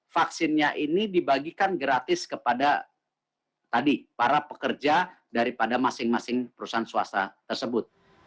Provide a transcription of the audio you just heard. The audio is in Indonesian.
vaksinnya ini dibagikan gratis kepada para pekerja daripada masing masing perusahaan swasta tersebut